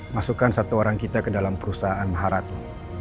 masukkan satu orang kita ke dalam perusahaan maraton